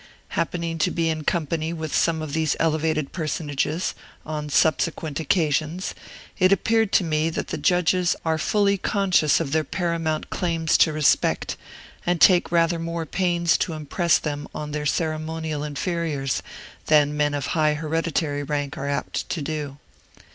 Happening to be in company with some of these elevated personages, on subsequent occasions, it appeared to me that the judges are fully conscious of their paramount claims to respect, and take rather more pains to impress them on their ceremonial inferiors than men of high hereditary rank are apt to do.